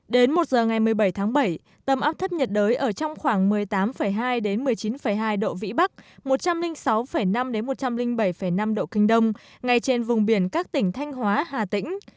đến một giờ ngày một mươi bảy tháng bảy tâm áp thấp nhiệt đới ở trong khoảng một mươi tám hai một mươi chín hai độ vĩ bắc một trăm linh sáu năm một trăm linh bảy năm độ kinh đông ngay trên vùng biển các tỉnh thanh hóa hà tĩnh